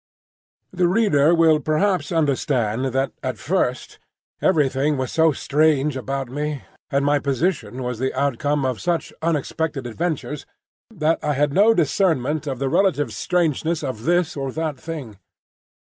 The reader will perhaps understand that at first everything was so strange about me, and my position was the outcome of such unexpected adventures, that I had no discernment of the relative strangeness of this or that thing.